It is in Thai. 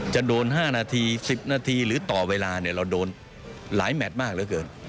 จะโดน๕นาที๑๐นาทีหรือต่อเวลาเราโดนหลายแมทมากเหลือเกิน